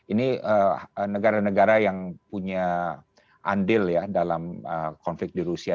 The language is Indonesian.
ini negara negara yang punya andil ya dalam konflik di rusia